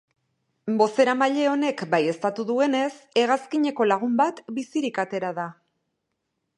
Bozeramaile honek baieztatu duenez, hegazkineko lagun bat bizirik atera da.